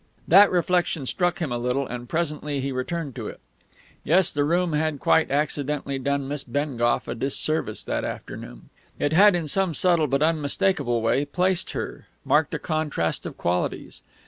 That reflection struck him a little, and presently he returned to it. Yes, the room had, quite accidentally, done Miss Bengough a disservice that afternoon. It had, in some subtle but unmistakable way, placed her, marked a contrast of qualities.